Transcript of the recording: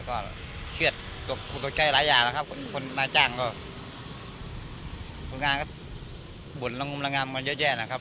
ตกดวกใจหลายอย่างแล้วครับคนพื้นการจ้างก็เป็นบ่นลงมลงามเยอะแยะนะครับ